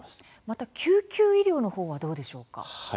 また、救急医療のほうはどうでしょうか。